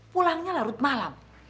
pulangnya larut malam